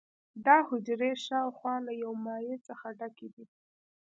دا حجرې شاوخوا له یو مایع څخه ډکې دي.